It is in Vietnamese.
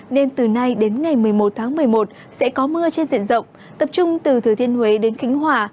nên từ nay đến ngày một mươi một tháng một mươi một sẽ có mưa trên diện rộng tập trung từ thừa thiên huế đến khánh hòa